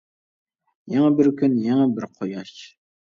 يېڭى بىر كۈن، يېڭى بىر قۇياش.